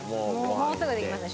もうすぐできますよ。